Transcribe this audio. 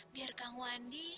biar kang wandi